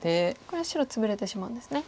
これは白ツブれてしまうんですね。